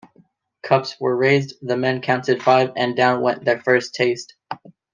Cups were raised, the men counted five and down went the first taste.